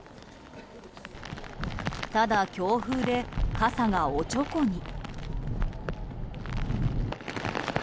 ただ強風で傘がおちょこに。